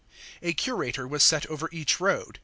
A curator was set over each road.